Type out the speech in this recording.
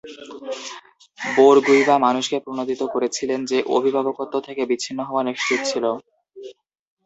বোরগুইবা মানুষকে প্রণোদিত করেছিলেন যে, অভিভাবকত্ব থেকে বিচ্ছিন্ন হওয়া নিশ্চিত ছিল।